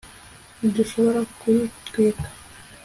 ntidushobora kuyitwika